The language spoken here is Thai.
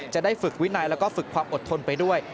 จะได้ฝึกวินัยแล้วก็ฝึกความอดทนไปด้วย